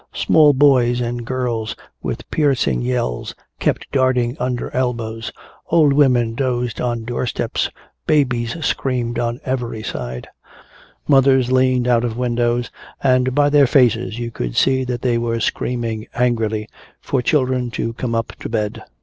Small boys and girls with piercing yells kept darting under elbows, old women dozed on doorsteps, babies screamed on every side. Mothers leaned out of windows, and by their faces you could see that they were screaming angrily for children to come up to bed.